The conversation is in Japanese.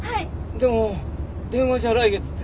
でも電話じゃ来月って。